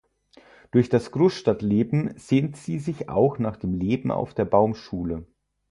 Durch das Großstadtleben sehnt sie sich auch nach dem Leben auf der Baumschule.